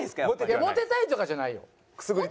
いやモテたいとかじゃないよ。